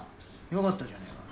よかったじゃねぇか。